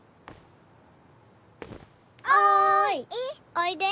おいで。